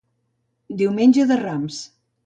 Diumenge de Rams.